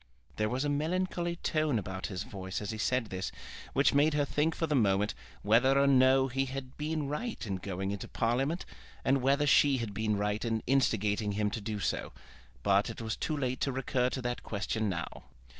There was a melancholy tone about his voice as he said this, which made her think for the moment whether or no he had been right in going into Parliament, and whether she had been right in instigating him to do so. But it was too late to recur to that question now.